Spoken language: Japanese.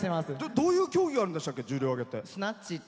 どういう競技があるんでしたっけ、重量挙げって。